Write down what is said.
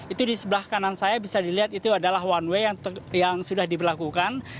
itu di sebelah kanan saya bisa dilihat itu adalah one way yang sudah diberlakukan